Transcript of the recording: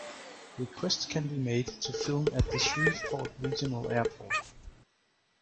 Requests can be made to film at the Shreveport Regional Airport.